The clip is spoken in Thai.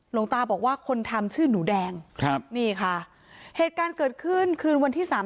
หลวงตาบอกว่าคนทำชื่อหนูแดงครับนี่ค่ะเหตุการณ์เกิดขึ้นคืนวันที่สาม